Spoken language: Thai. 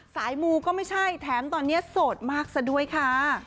มูก็ไม่ใช่แถมตอนนี้โสดมากซะด้วยค่ะ